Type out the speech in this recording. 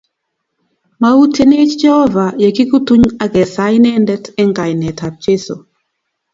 Mautienech Jeohova ye kikutuny akesaa Inendet eng kainetab Jeso